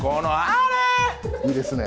いいですね。